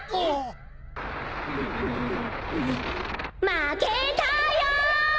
負けたよ！